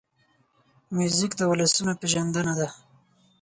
موزیک د ولسونو پېژندنه ده.